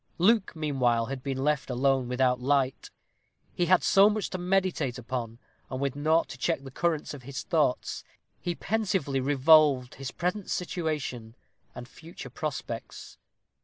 Luke, meanwhile, had been left alone, without light. He had much to meditate upon, and with naught to check the current of his thoughts, he pensively revolved his present situation and future prospects.